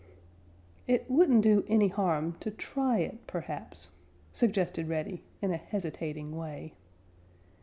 "It wouldn't do any harm to try it, perhaps," suggested Reddy, in a hesitating way.